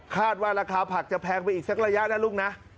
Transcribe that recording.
คาดว่าราคาผักจะแพงไปอีกสักระยะนะลูกนะ